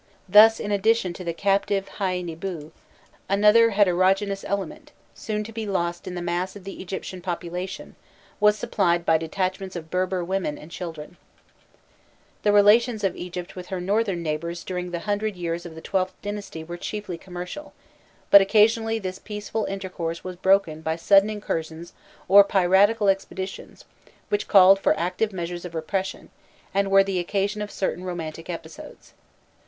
Thus, in addition to the captive Haiû nîbû, another heterogeneous element, soon to be lost in the mass of the Egyptian population, was supplied by detachments of Berber women and children. [Illustration: 338.jpg MAP] The relations Egypt with her northern neighbours during the hundred years of the XIIth dynasty were chiefly commercial, but occasionally this peaceful intercourse was broken by sudden incursions or piratical expeditions which called for active measures of repression, and were the occasion of certain romantic episodes.